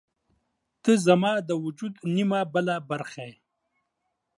• ته زما د وجود نیمه بله برخه یې.